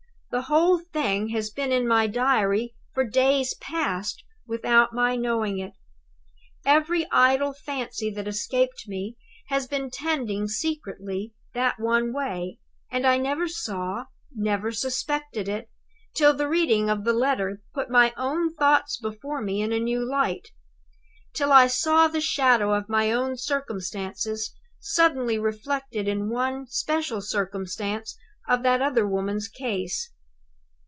The whole thing has been in my Diary, for days past, without my knowing it! Every idle fancy that escaped me has been tending secretly that one way! And I never saw, never suspected it, till the reading of the letter put my own thoughts before me in a new light till I saw the shadow of my own circumstances suddenly reflected in one special circumstance of that other woman's case!